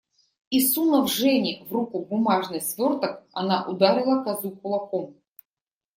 И, сунув Жене в руку бумажный сверток, она ударила козу кулаком.